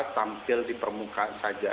tampil di permukaan saja